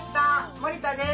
森田です。